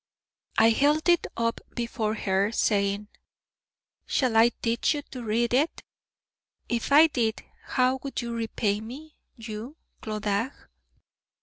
I held it up before her, saying: "Shall I teach you to read it? If I did, how would you repay me, you Clodagh?"